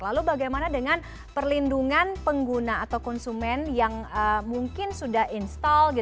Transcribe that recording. lalu bagaimana dengan perlindungan pengguna atau konsumen yang mungkin sudah install